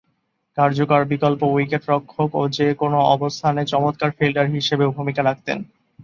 কার্যকর বিকল্প উইকেট-রক্ষক ও যে-কোন অবস্থানে চমৎকার ফিল্ডার হিসেবেও ভূমিকা রাখতেন।